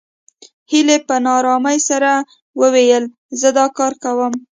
هيلې په نا آرامۍ سره وويل زه دا کار کوم